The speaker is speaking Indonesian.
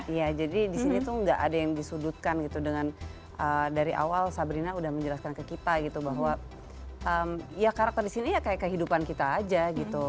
iya jadi di sini tuh gak ada yang disudutkan gitu dengan dari awal sabrina udah menjelaskan ke kita gitu bahwa ya karakter di sini ya kayak kehidupan kita aja gitu